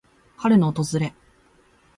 春の訪れ。